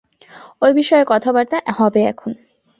ঐ বিষয়ে কথাবার্তা হবে এখন।